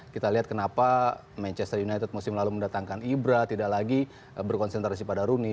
kita lihat kenapa manchester united musim lalu mendatangkan ibra tidak lagi berkonsentrasi pada rooney